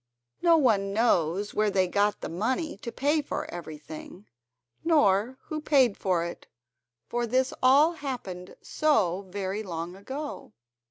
No one knows where they got the money to pay for everything, nor who paid it, for all this happened so very long ago.